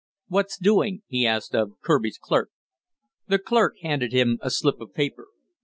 "What's doing?" he asked of Kirby's clerk. The clerk handed him a slip of paper.